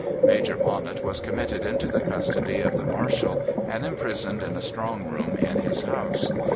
Major Bonnet was committed into the custody of the marshal, and imprisoned in a strong room in his house.